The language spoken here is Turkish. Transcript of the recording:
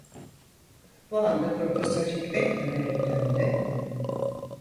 Bu anda Profesör Hikmet Ömer’e döndü: